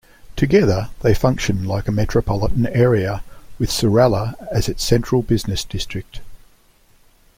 Together they function like a metropolitan area with Surallah as its Central Business District.